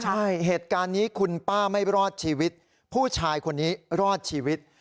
ใช่เหตุการณ์นี้คุณป้าไม่รอดชีวิตผู้ชายคนนี้รอดชีวิต